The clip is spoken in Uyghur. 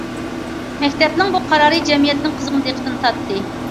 مەكتەپنىڭ بۇ قارارى جەمئىيەتنىڭ قىزغىن دىققىتىنى تارتتى.